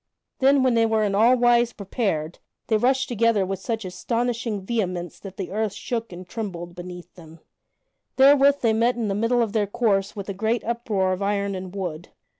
Then, when they were in all wise prepared, they rushed together with such astonishing vehemence that the earth shook and trembled beneath them. [Sidenote: Sir Tristram does battle with Sir Dodinas] Therewith they met in the middle of their course with a great uproar of iron and wood.